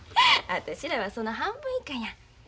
私らはその半分以下や。